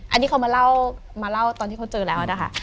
อันนี้เขามาเล่ามาเล่าตอนที่เขาเจอแล้วออสนะคะ